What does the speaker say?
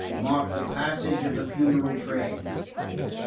marked the passage of the funeral train.